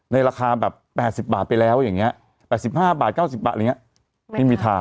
ในราคาแบบแปดสิบบาทไปแล้วอย่างเงี้ยแปดสิบห้าบาทเก้าสิบบาทอะไรอย่างเงี้ยไม่มีทาง